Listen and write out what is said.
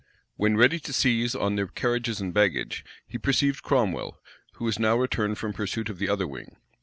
When ready to seize on their carriages and baggage, he perceived Cromwell, who was now returned from pursuit of the other wing.